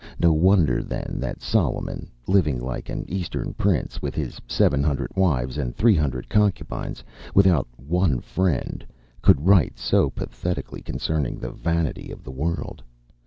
No wonder then that Solomon, living like an Eastern prince, with his seven hundred wives, and three hundred concubines, without one friend, could write so pathetically concerning the vanity of the world.